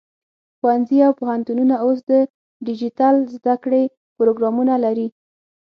ښوونځي او پوهنتونونه اوس د ډیجیټل زده کړې پروګرامونه لري.